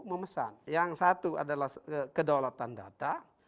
memesan yang satu adalah kedaulatan data